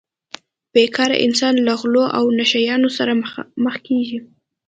بې کاره انسان له غلو او نشه یانو سره مخ کیږي